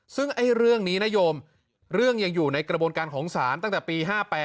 ซึ่งเรื่องนี้นโยมเรื่องยังอยู่ในกระบวนการของศาลตั้งแต่ปี๕๘